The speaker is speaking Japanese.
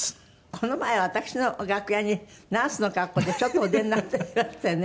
この前私の楽屋にナースの格好でちょっとお出になって来ましたよね。